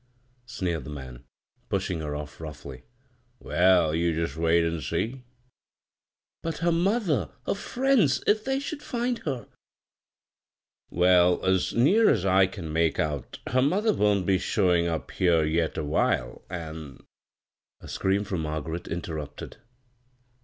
sneered the man, pushing her off roughly. "Well, you jest wait an' seel" "But her mother, her friends — if they shoiild find her I" "Well, as near as I can make out her mother won't be showin' up here yet awhile, an' " A scream from Margaret inter rupted.